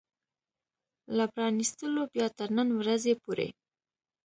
له پرانيستلو بيا تر نن ورځې پورې